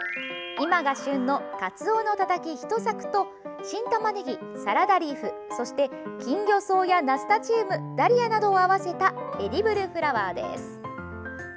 今が旬のかつおのたたき１さくと新たまねぎ、サラダリーフそしてキンギョソウやナスタチウムダリアなどを合わせたエディブルフラワーです。